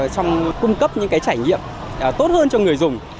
trong cung cấp những trải nghiệm tốt hơn cho người dùng